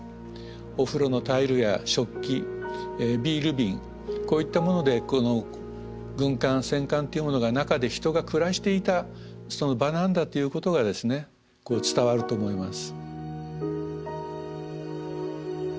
お風呂のタイルや食器ビール瓶こういったものでこの軍艦戦艦というものが中で人が暮らしていた場なんだということがですね伝わると思います。